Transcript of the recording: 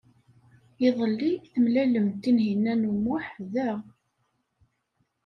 Iḍelli, temlalem-d Tinhinan u Muḥ da.